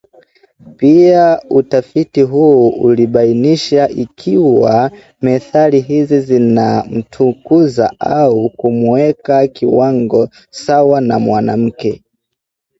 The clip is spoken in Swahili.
Pia utafiti huu ulibainisha ikiwa methali hizi zinamtukuza au kumweka kiwango sawa na mwanamke